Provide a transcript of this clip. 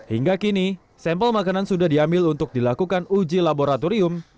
hingga kini sampel makanan sudah diambil untuk dilakukan uji laboratorium